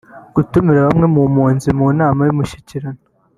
gutumira bamwe mu mpunzi mu nama y’Umushyikirano